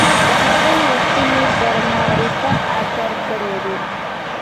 د هغوی غوښتنې پر معرفت اثر کړی دی